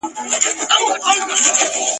نه یوازي د دوی بله ډېوه مړه ده !.